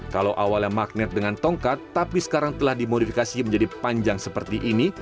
kalau awalnya magnet dengan tongkat tapi sekarang telah dimodifikasi menjadi panjang seperti ini